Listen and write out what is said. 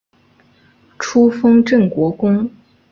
初封镇国公。